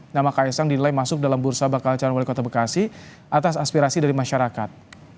nama kaisang dinilai masuk dalam bursa bakal calon wali kota bekasi atas aspirasi dari masyarakat